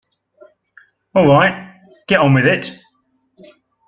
All right, get on with it.